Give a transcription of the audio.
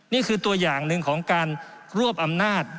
นี่คือตัวอย่างหนึ่งของการรวบอำนาจ